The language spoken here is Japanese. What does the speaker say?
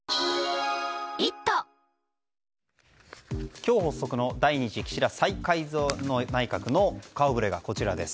今日発足の第２次岸田再改造内閣の顔ぶれがこちらです。